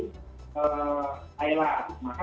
menjadi salah satu